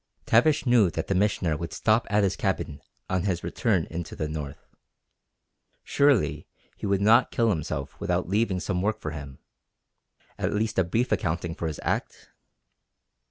Tavish knew that the Missioner would stop at his cabin on his return into the North. Surely he would not kill himself without leaving some work for him at least a brief accounting for his act!